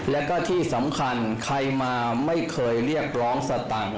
แล้วก็ที่สำคัญใครมาไม่เคยเรียกร้องสตางค์